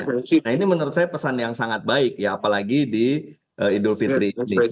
nah ini menurut saya pesan yang sangat baik ya apalagi di idul fitri ini